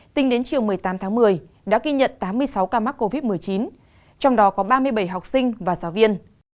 tính đến chiều một mươi tám tháng một mươi đã ghi nhận tám mươi sáu ca mắc covid một mươi chín trong đó có ba mươi bảy học sinh và giáo viên